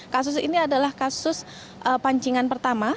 kasus ini adalah kasus pancingan pertama